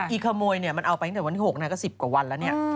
อีกขโมยมันเอาไปตั้งแต่วันที่๖นาทีก็๑๐กว่าวันแล้ว